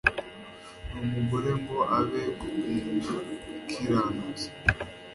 n umugore ngo abe umukiranutsi